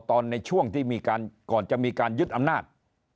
ในช่วงที่มีการก่อนจะมีการยึดอำนาจ